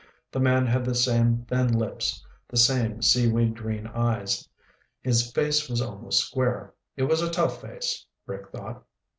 The man had the same thin lips, the same seaweed green eyes. His face was almost square. It was a tough face, Rick thought.